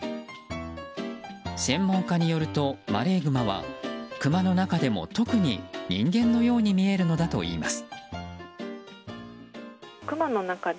専門家によると、マレーグマはクマの中でも特に人間のように見えるのだといいます。